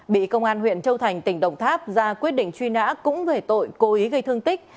bị công an huyện châu thành tỉnh đồng tháp ra quyết định truy nã cũng về tội cố ý gây thương tích